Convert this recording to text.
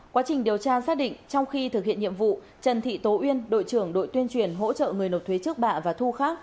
quá trình điều tra xác định trong khi thực hiện nhiệm vụ trần thị tố uyên đội trưởng đội tuyên truyền hỗ trợ người nộp thuế trước bạ và thu khác